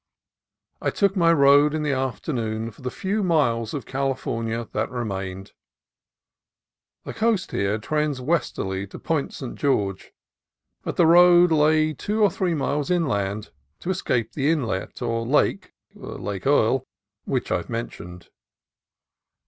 I took the road in the afternoon for the few miles of California that remained. The coast here trends westerly to Point St. George, but the road lay two or three miles inland, to escape the inlet, or lake (Lake Earl) which I have mentioned.